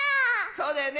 そうだよね！